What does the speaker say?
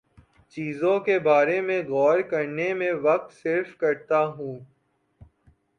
چیزوں کے بارے میں غور کرنے میں وقت صرف کرتا ہوں